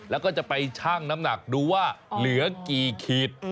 แล้วก็จะไปชั่งน้ำหนักดูว่าเหลือกี่ขีด